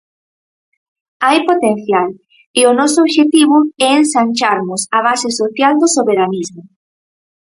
Hai potencial e o noso obxectivo é ensancharmos a base social do soberanismo.